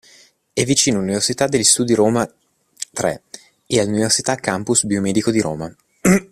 È vicino all’Università degli Studi Roma Tre e all’Università Campus Bio-Medico di Roma.